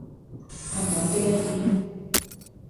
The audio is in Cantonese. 幸運的一天